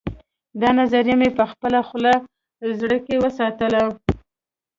دا نظریه مې په پټه خوله زړه کې وساتله